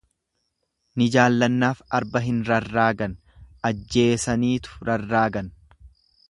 Ni jaalannaaf arba hin rarraagan ajjeesaniitu rarraagan.